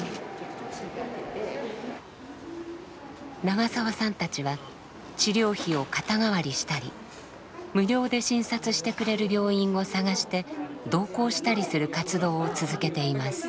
長澤さんたちは治療費を肩代わりしたり無料で診察してくれる病院を探して同行したりする活動を続けています。